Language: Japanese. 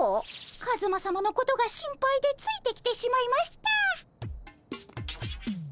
カズマさまのことが心配でついてきてしまいました。